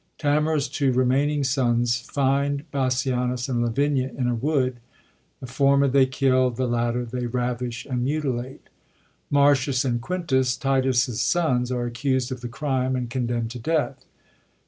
Tamora's two remaining sons find Bassianus and Lavinia in a wood : the former they kill ; the latter they ravish and mutilate. Martins and Quintus, Titus*s sons, are accused of the crime, and condemnd to death.